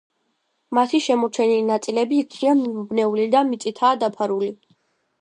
მათი შემორჩენილი ნაწილები იქვეა მიმობნეული და მიწითაა დაფარული.